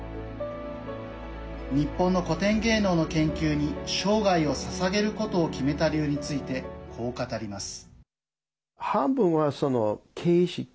日本の古典芸能の研究に生涯をささげることを決めた理由についてこう語ります。